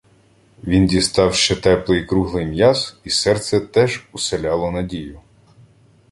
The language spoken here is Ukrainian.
Він дістав ще теплий круглий м'яз, і серце теж уселяло надію.